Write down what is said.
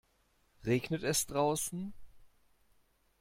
Regnet es draußen?